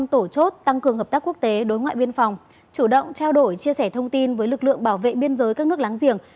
năm tổ chốt tăng cường hợp tác quốc tế đối ngoại biên phòng chủ động trao đổi chia sẻ thông tin với lực lượng bảo vệ biên giới các nước láng giềng